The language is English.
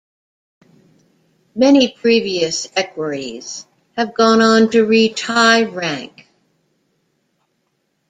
Many previous equerries have gone on to reach high rank.